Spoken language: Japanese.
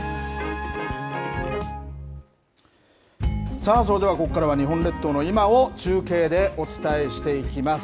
さあ、それではここからは、日本列島の今を中継でお伝えしていきます。